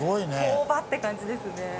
工場って感じですね。